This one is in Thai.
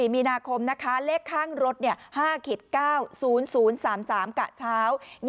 มีนาคมนะคะเลขข้างรถ๕๙๐๐๓๓กะเช้า